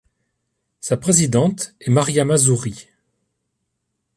Sa présidente est Mariama Zhouri.